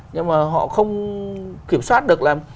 nhưng mà họ không kiểm soát được là